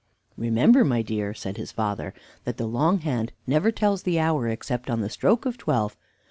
"Remember, my dear," said his father, "that the long hand never tells the hour, except on the stroke of twelve.